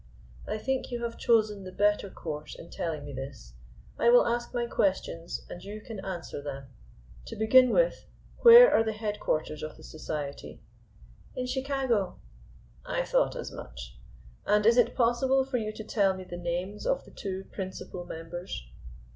"I think you have chosen the better course in telling me this. I will ask my questions, and you can answer them. To begin with, where are the headquarters of the Society?" "In Chicago." "I thought as much. And is it possible for you to tell me the names of the two principal members?"